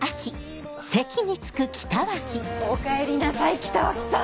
おかえりなさい北脇さん！